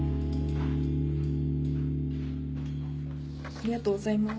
ありがとうございます。